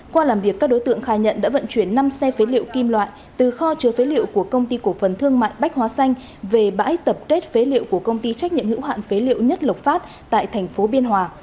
qua làm việc các đối tượng khai nhận đã vận chuyển năm xe phế liệu kim loại từ kho chứa phế liệu của công ty cổ phần thương mại bách hóa xanh về bãi tập kết phế liệu của công ty trách nhiệm hữu hạn phế liệu nhất lộc phát tại thành phố biên hòa